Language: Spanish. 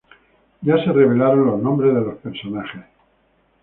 Ya se revelaron los nombres de los personajes.